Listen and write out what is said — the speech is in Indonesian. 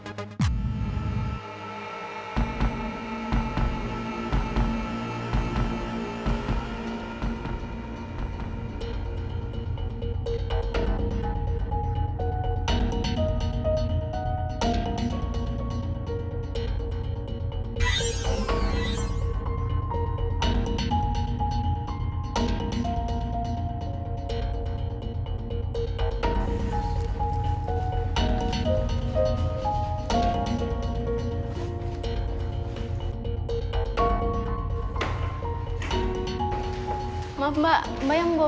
gue juga yakin